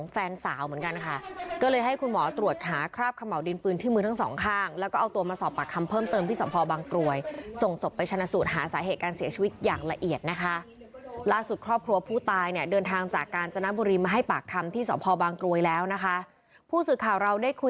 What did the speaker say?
แฟนด้วยซ้ำ